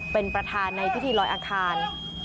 เป็นประธานในพิธีลอยอังคาร